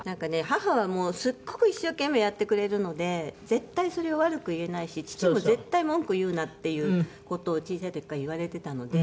母はすっごく一生懸命やってくれるので絶対それを悪く言えないし父も「絶対文句言うな」っていう事を小さい時から言われていたので。